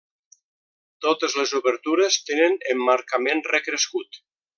Totes les obertures tenen emmarcament recrescut.